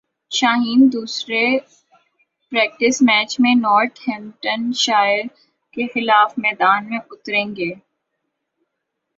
شاہین دوسرے practice match میں Northamptonshire کیخلاف میدان میں اتریں گے